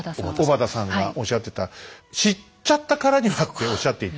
小畑さんがおっしゃってた「知っちゃったからには」っておっしゃっていて。